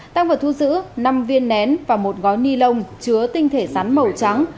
tăng vật thu giữ năm viên nén và một gói ni lông chứa tinh thể rắn màu trắng